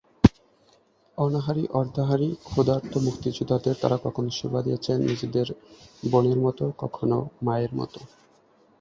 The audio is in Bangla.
অনাহারী, অর্ধাহারী, ক্ষুধার্ত মুক্তিযোদ্ধাদের তারা কখনো সেবা দিয়েছেন নিজের বোনের মতো, কখনো মায়ের মতো।